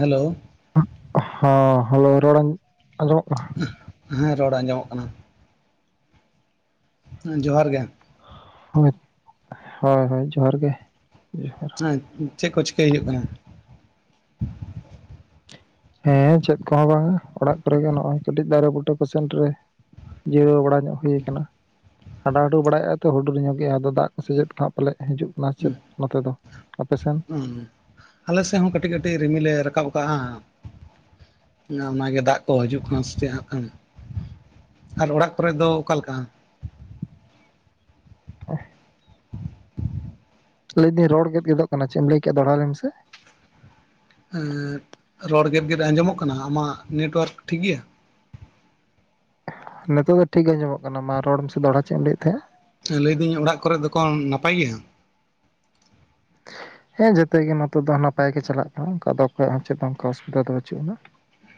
Hello ᱦᱚᱜ ᱦᱚᱸ hello ᱨᱚᱲ ᱟᱸᱡᱚᱢᱚᱜ ᱠᱟᱱᱟ᱾ ᱦᱮᱸ ᱨᱚᱲ ᱟᱸᱡᱚᱢᱚᱜ ᱠᱟᱱᱟ᱾ ᱡᱚᱦᱟᱨ ᱜᱮ ᱦᱳᱭ ᱦᱳᱭ ᱦᱳᱭ ᱡᱚᱦᱟᱨ ᱜᱮ ᱡᱚᱦᱟᱨ᱾ ᱪᱮᱫ ᱠᱚ ᱪᱤᱠᱟᱹᱭ ᱦᱩᱭᱩᱜ ᱠᱟᱱᱟ᱾ ᱦᱮᱸ ᱪᱮᱫ ᱠᱚᱦᱚᱸ ᱵᱟᱝᱼᱟ ᱚᱲᱟᱜ ᱠᱚᱨᱮ ᱜᱮ ᱱᱚᱜᱼᱚᱭ ᱠᱟᱹᱴᱤᱡ ᱫᱟᱨᱮ ᱵᱩᱴᱟᱹ ᱠᱚᱥᱮᱱ ᱨᱮ ᱡᱤᱨᱟᱹᱣ ᱵᱟᱲᱟ᱾ ᱧᱚᱜ ᱦᱩᱭᱩ ᱟᱠᱟᱱᱟ ᱦᱟᱰᱟᱼ ᱦᱩᱰᱩᱨ ᱵᱟᱲᱟᱭᱮᱫᱼᱟ ᱛᱚ ᱦᱩᱰᱩᱨ ᱧᱚᱜᱮᱜᱼᱟ ᱟᱫᱚ ᱫᱟᱜ ᱠᱚ ᱥᱮᱪᱮᱫ ᱯᱟᱞᱮ ᱦᱤᱡᱩᱜ᱾ ᱠᱟᱱᱟ ᱪᱮᱫ ᱱᱚᱛᱮ ᱫᱚ ᱟᱯᱮᱥᱮᱱ [unintelligible] ᱟᱞᱮ ᱥᱮᱫ ᱦᱚᱸ ᱠᱟᱹᱴᱤᱡ ᱠᱟᱹᱴᱤᱡ ᱨᱤᱢᱤᱞ ᱮ ᱨᱟᱠᱟᱵ ᱠᱟᱜᱼᱟ᱾ ᱚᱱᱟᱜᱮ ᱫᱟᱜ ᱠᱚ ᱦᱤᱡᱩᱜ ᱠᱟᱱᱟ ᱥᱮ ᱪᱮᱫ ᱦᱟᱸ᱾ ᱟᱨ ᱚᱲᱟᱜ ᱠᱚᱨᱮ ᱫᱚ ᱚᱠᱟ ᱞᱮᱠᱟ᱾ [unintelligible] ᱞᱟᱹᱭᱫᱟᱹᱧ ᱨᱚᱲ ᱜᱮᱫ ᱜᱮᱫᱚᱜ ᱠᱟᱱᱟ ᱪᱮᱫ ᱮᱢ ᱞᱟᱹᱭ ᱠᱮᱫᱟ ᱫᱚᱦᱲᱟ ᱞᱟᱹᱭ ᱢᱮᱥᱮ᱾ ᱮᱸ ᱨᱚᱲ ᱜᱮᱫ ᱜᱮᱫ ᱟᱸᱡᱚᱢᱚᱜ ᱠᱟᱱᱟ ᱟᱢᱟᱜ ᱱᱮᱴᱣᱟᱨᱠ ᱴᱷᱤᱠᱜᱮᱭᱟ᱾ ᱱᱤᱛᱚᱜ ᱫᱚ ᱴᱷᱤᱠ ᱜᱮ ᱟᱸᱡᱚᱢᱚᱜ ᱠᱟᱱᱟ ᱢᱟ ᱨᱚᱲᱮ ᱥᱮ ᱫᱚᱲᱦᱟ ᱪᱮᱫ ᱮᱢ ᱞᱟᱹᱭᱮᱫ ᱛᱟᱦᱮᱸᱜᱼᱟ᱾ ᱞᱟᱹᱭᱫᱟᱹᱧ ᱚᱲᱟᱜ ᱠᱚᱨᱮ ᱫᱚᱠᱚ ᱱᱟᱯᱟᱭ ᱜᱮᱭᱟ᱾ [unintelligible] ᱦᱮᱸ ᱡᱮᱛᱮ ᱜᱮ ᱱᱚᱛᱮ ᱫᱚ ᱱᱟᱯᱟᱭ ᱜᱮ ᱪᱟᱞᱟᱜ ᱠᱟᱱᱟ ᱚᱱᱠᱟ ᱫᱚ ᱚᱠᱷᱚᱡ ᱦᱚᱸ ᱪᱮᱫ ᱚᱱᱠᱟ ᱚᱥᱩᱵᱤᱫᱟ ᱫᱚ ᱵᱟᱹᱪᱩᱜ ᱟᱱᱟ᱾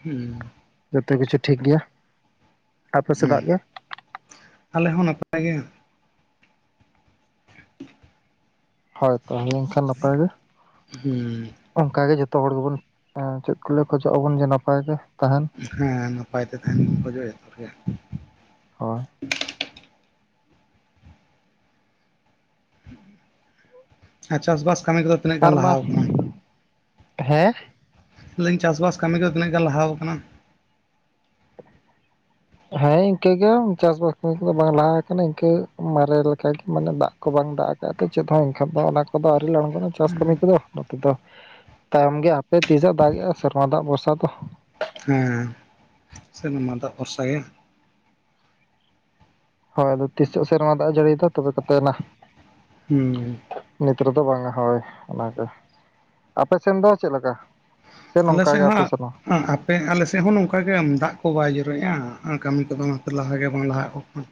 ᱩᱸ ᱡᱚᱛᱚ ᱠᱤᱪᱷᱩ ᱴᱷᱤᱠ ᱜᱮᱭᱟ ᱟᱯᱮ ᱦᱩᱸ ᱥᱮᱫᱟᱜ ᱜᱮ᱾ ᱟᱞᱮ ᱦᱚᱸ ᱱᱟᱯᱟᱭ ᱜᱮ᱾ ᱦᱳᱭ ᱛᱟᱦᱮ ᱞᱮᱱᱠᱷᱟᱱ ᱱᱟᱯᱟᱭ ᱜᱮ᱾ ᱦᱩᱸ ᱚᱱᱠᱟᱟᱜ ᱜᱮ ᱡᱚᱛᱚ ᱦᱚᱲ ᱜᱮᱵᱚᱱ ᱪᱮᱫ ᱠᱚᱞᱤ ᱠᱷᱚᱡᱚᱜ ᱟᱵᱚᱱ ᱡᱮ ᱱᱟᱯᱟᱭ ᱜᱮ ᱛᱟᱦᱮᱱ᱾ ᱦᱮᱸ ᱱᱟᱯᱟᱭ ᱛᱮ ᱛᱟᱦᱮᱱ ᱵᱚᱱ ᱠᱷᱚᱡᱚᱜᱼᱟ [inaudible] ᱦᱳᱭ ᱪᱟᱥᱵᱟᱥ ᱠᱟᱹᱢᱤ ᱠᱚᱫᱚ᱾ ᱛᱤᱱᱟᱹᱜ ᱜᱟᱱ ᱯᱟᱨᱢᱟ ᱞᱟᱦᱟᱣ ᱠᱟᱱᱟ ᱦᱮᱸ᱾ ᱞᱟᱹᱭ ᱤᱧ ᱪᱟᱥᱵᱟᱥ ᱠᱟᱹᱢᱤ ᱫᱚ ᱛᱤᱱᱟᱹᱜ ᱜᱟᱱ ᱞᱟᱦᱟᱣ ᱠᱟᱱᱟ? ᱦᱮᱸ ᱤᱱᱠᱟᱹᱜ ᱜᱮ ᱪᱟᱥᱵᱟᱥ ᱠᱟᱹᱢᱤ ᱠᱚᱫᱚ ᱵᱟᱝ ᱞᱟᱦᱟ ᱟᱠᱟᱱᱟ ᱤᱱᱠᱟᱹ ᱢᱟᱨᱮ ᱞᱮᱠᱟ ᱜᱮ ᱢᱟᱱᱮ ᱫᱟᱜ᱾ ᱵᱟᱝ ᱫᱟᱜ ᱟᱠᱟᱫ ᱪᱮᱫ ᱦᱚᱸ ᱮᱱᱠᱷᱟᱱ ᱫᱚ ᱚᱱᱟ᱾ ᱟᱫᱚ ᱟᱹᱣᱨᱤ ᱞᱮ ᱟᱹᱲᱜᱳᱱᱟ ᱪᱟᱥ ᱠᱟᱹᱢᱤ ᱠᱚᱫᱚ ᱱᱚᱛᱮ ᱫᱚ ᱛᱟᱭᱚᱢ ᱜᱮᱭᱟ᱾ ᱦᱟᱯᱮ ᱛᱤᱥᱟᱜ ᱮᱸ ᱫᱟᱜ ᱮᱼᱟ ᱥᱮᱨᱢᱟ ᱫᱟᱜ ᱵᱷᱚᱨᱥᱟ ᱛᱚ᱾ ᱦᱮᱸ ᱥᱮᱨᱢᱟ ᱫᱟᱜ ᱵᱷᱚᱨᱥᱟ ᱜᱮ᱾ ᱦᱳᱭ ᱟᱫᱚ ᱛᱤᱥᱚᱜ ᱥᱮᱨᱢᱟ ᱫᱟᱜ ᱡᱟᱹᱲᱤᱭ ᱫᱟ ᱛᱚᱵᱮ ᱠᱟᱛᱮ ᱱᱟ᱾ ᱦᱩᱸ ᱱᱤᱛ ᱨᱮᱫᱚ ᱵᱟᱝᱼᱟ ᱦᱳᱭ ᱚᱱᱟᱜᱮ, ᱟᱯᱮ ᱥᱮᱱ ᱫᱚ ᱪᱮᱫ ᱞᱮᱠᱟ? ᱥᱮ ᱟᱞᱮ ᱱᱚᱝᱠᱟ ᱥᱮᱫ ᱜᱮ ᱦᱚᱸ ᱟᱯᱮ ᱥᱮᱱ ᱯᱮ ᱟᱞᱮ ᱥᱮᱫ ᱦᱚᱸ ᱱᱚᱝᱠᱟ ᱜᱮ ᱫᱟᱜ ᱠᱚ ᱵᱟᱭ ᱡᱚᱨᱚᱭᱮᱫᱼᱟ ᱟᱨ ᱠᱟᱹᱢᱤ ᱠᱚᱫᱚ ᱚᱱᱟᱛᱮ ᱞᱟᱦᱟᱜ ᱜᱮ ᱵᱟᱝ ᱞᱟᱦᱟᱜᱮᱫ ᱠᱚ ᱠᱟᱱᱟ᱾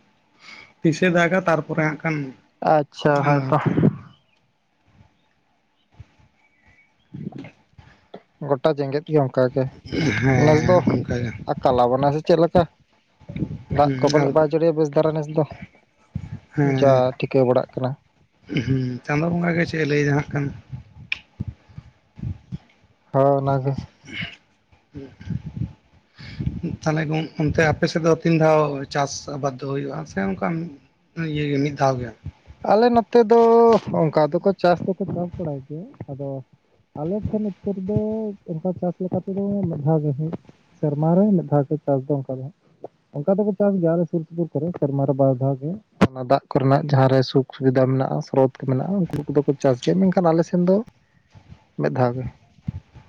ᱛᱤᱥᱮ ᱫᱟᱜᱼᱟ ᱛᱟᱨᱯᱚᱨᱮ ᱦᱟᱜ ᱠᱟᱱ᱾ ᱟᱪᱪᱷᱟ ᱦᱳᱭ ᱛᱚ᱾ ᱜᱚᱴᱟ ᱡᱮᱜᱮᱛ ᱜᱮ ᱚᱱᱠᱟᱜᱮ ᱱᱮᱥ ᱫᱚ᱾ ᱦᱮᱸ ᱚᱱᱠᱟᱜᱮ ᱠᱟᱞᱟᱵᱚᱱᱟ ᱥᱮ ᱪᱮᱫ ᱞᱮᱠᱟ ᱫᱟᱜ ᱠᱚ ᱦᱮᱸ ᱟᱨ ᱯᱟᱞᱮᱫ ᱵᱟᱭ ᱡᱟᱹᱲᱤᱭᱟ ᱵᱮᱥ ᱫᱷᱟᱨᱟ ᱱᱮᱥ ᱫᱚ᱾ ᱡᱟ ᱦᱮᱸ ᱴᱷᱤᱠᱟᱹ ᱵᱟᱲᱟᱜ ᱠᱟᱱᱟ᱾ ᱦᱩᱸ ᱪᱟᱸᱫᱳ ᱵᱚᱸᱜᱟ ᱜᱮ ᱪᱮᱫ ᱮ ᱞᱟᱹᱭ ᱫᱟ ᱦᱟᱸᱜ ᱠᱷᱟᱱ᱾ ᱦᱳᱭ ᱚᱱᱟᱜᱮ [inaudible] ᱛᱟᱦᱞᱮ ᱚᱱᱛᱮ ᱟᱯᱮ ᱥᱮᱫ ᱫᱚ ᱛᱤᱱ ᱫᱷᱟᱣ ᱪᱟᱥ ᱟᱵᱟᱫ ᱫᱚ ᱦᱩᱭᱩᱜᱼᱟ ᱥᱮ ᱚᱱᱠᱟᱼᱼ ᱤᱭᱟᱹ ᱢᱤᱫ ᱫᱷᱟᱣ ᱜᱮ? ᱟᱞᱮ ᱱᱚᱛᱮ ᱫᱚ ᱚᱱᱠᱟ ᱫᱚᱠᱚ ᱪᱟᱥ ᱫᱚᱠᱚ ᱪᱟᱥ ᱵᱟᱲᱟᱭ ᱜᱮᱭᱟ ᱟᱫᱚᱼ ᱟᱞᱮ ᱴᱷᱮᱱ ᱩᱛᱚᱨ ᱫᱚ ᱚᱱᱠᱟ ᱪᱟᱥ ᱞᱮᱠᱟᱛᱮᱫᱚ ᱢᱤᱫᱷᱟᱣ ᱜᱮ ᱦᱩᱭᱩᱼᱼ ᱥᱮᱨᱢᱟ ᱨᱮ ᱢᱤᱫ ᱫᱷᱟᱣ ᱜᱮ ᱪᱟᱥ ᱫᱚ ᱚᱱᱠᱟ ᱫᱚ ᱦᱟᱸᱜ᱾ ᱚᱱᱠᱟ ᱫᱚᱠᱚ ᱪᱟᱥ ᱜᱮᱭᱟ ᱟᱞᱮ ᱥᱩᱨ ᱥᱩᱯᱩᱨ ᱠᱚᱨᱮ ᱥᱮᱨᱢᱟ ᱨᱮ ᱵᱟᱨ ᱫᱷᱟᱣ ᱜᱮ ᱫᱟᱜ ᱠᱚᱨᱮᱱᱟᱜ ᱡᱟᱦᱟᱸᱨᱮᱼᱼ ᱥᱩᱠ ᱥᱩᱵᱤᱫᱷᱟ ᱢᱮᱱᱟᱜᱼᱟ ᱥᱨᱳᱛ ᱠᱚ ᱢᱮᱱᱟᱜᱼᱟ ᱩᱱᱠᱩ ᱠᱚᱫᱚ ᱠᱚ ᱪᱟᱥ ᱜᱮᱭᱟ ᱢᱮᱱᱠᱷᱟᱱ ᱟᱞᱮ ᱥᱮᱱ ᱫᱚᱼᱼ ᱢᱤᱫ ᱫᱷᱟᱣ ᱜᱮ᱾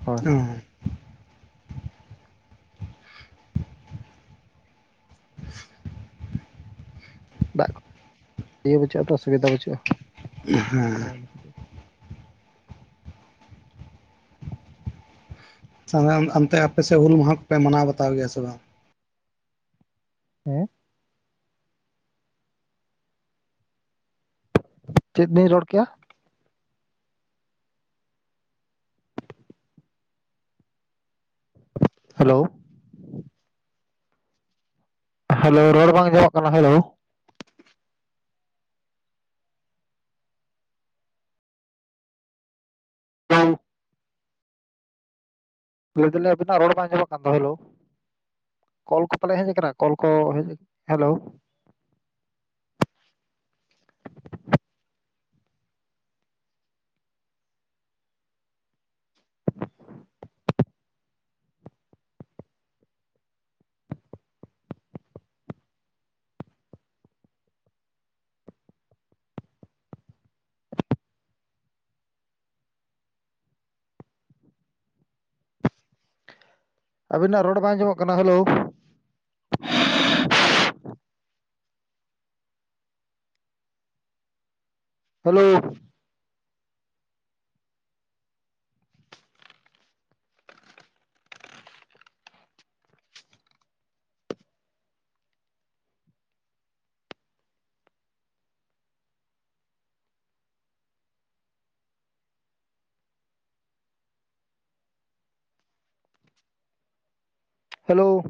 ᱦᱳᱭ ᱚᱻ ᱫᱟᱜ ᱤᱭᱟᱹ ᱵᱟᱹᱪᱩᱜᱼᱟ ᱛᱚ ᱚᱥᱩᱵᱤᱫᱟ ᱵᱟᱹᱪᱩᱜᱼᱟ ᱾ ᱦᱮᱸ ᱻ ᱚᱱᱛᱮ ᱟᱯᱮᱥ ᱦᱩᱞ ᱢᱟᱦᱟ ᱠᱚᱯᱮ ᱢᱟᱱᱟᱣ ᱵᱟᱛᱟᱣ ᱜᱮᱭᱟ ᱥᱮ ᱵᱟᱝ? ᱦᱮᱸᱻ ᱪᱮᱫ ᱵᱤᱱ ᱨᱚᱲ ᱠᱮᱭᱟ? ᱦᱮᱞᱳ ᱦᱮᱞᱳ ᱨᱚᱲ ᱵᱟᱝ ᱟᱚᱢᱚᱜ ᱠᱟᱱᱟ ᱦᱮᱞᱳ᱾ ᱦᱸ [unintelligible] ᱞᱟᱹᱭ ᱫᱟᱞᱤᱧ ᱟᱵᱤᱱᱟ ᱨᱚᱲ ᱵᱟᱝ ᱟᱡᱚᱢ ᱠᱟᱱ ᱫᱚ ᱦᱮᱞᱳ᱾ ᱠᱚᱞ ᱠᱚ ᱯᱟᱞᱮ ᱦᱮᱡ ᱠᱟᱱᱟ ᱠᱚᱞ ᱠᱚ ᱦᱮᱡ ᱦᱮᱞᱳ? ᱟᱵᱤᱱᱟᱜ ᱨᱚᱲ ᱵᱟᱝ ᱟᱡᱚᱢᱚᱜ ᱠᱟᱱᱟ ᱦᱮᱞᱳ? ᱦᱮᱞᱳ ᱦᱮᱞᱳ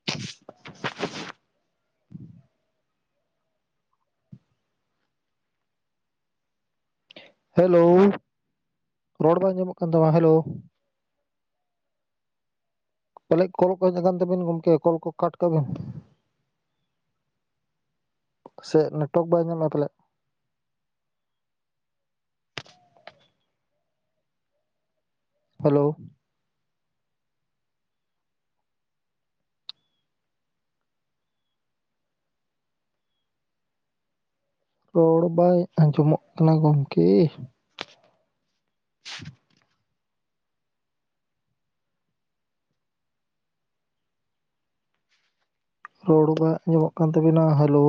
[inaudible] ᱦᱮᱞᱳ ᱨᱚᱲ ᱵᱟᱝ ᱧᱟᱢᱚᱜ ᱠᱟᱱ ᱛᱟᱢᱟ ᱦᱮᱞᱳ? ᱯᱟᱞᱮᱫ ᱠᱚᱞ ᱠᱚ ᱦᱮᱡ ᱟᱠᱟᱱ ᱛᱟᱵᱤᱱ ᱜᱚᱢᱠᱮ ᱠᱚᱞ ᱠᱚ ᱠᱟᱴ ᱠᱟᱜᱵᱤᱱ, ᱥᱮ ᱱᱮᱴᱳᱣᱟᱨᱠ ᱵᱟᱭ ᱧᱟᱢᱮᱫ ᱯᱟᱞᱮᱼᱼ ᱦᱮᱞᱳ? ᱨᱚᱲ ᱵᱟᱭ ᱟᱸᱡᱚᱢᱚᱜ ᱠᱟᱱᱟ ᱜᱚᱢᱠᱮ? ᱨᱚᱲ ᱵᱟᱝ ᱟᱸᱡᱚᱢᱚᱜ ᱠᱟᱱ ᱛᱟᱵᱤᱱᱟ ᱦᱮᱞᱳ?